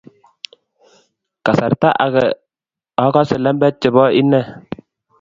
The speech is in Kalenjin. kasarta akee akosee lembech chebo inee